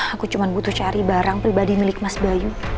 aku cuma butuh cari barang pribadi milik mas bayu